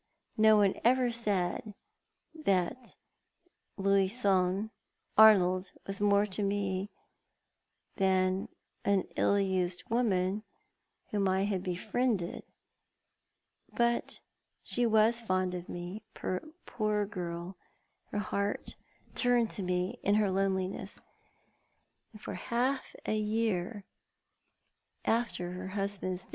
No one ever said that Louison Arnold was more to me than an ill used woman whom I had befriended ; but she was fond of me, poor girl, her heart turned to me in her loneliness, and for half a year after her husband's i82 Thoit art the Man.